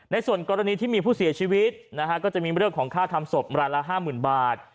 ในส่วนกรณีที่มีผู้เสียชีวิตนะฮะก็จะมีเรื่องของค่าทำศพรายละ๕๐๐๐บาท